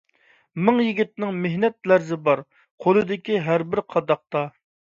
مىڭ يىگىتنىڭ مېھنەت لەرزى بار، قولىدىكى ھەربىر قاداقتا.